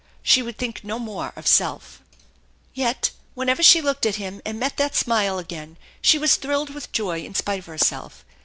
She would think no more of self. Yet whenever she looked at him and met that smile again she was thrilled with joy in spite of herself.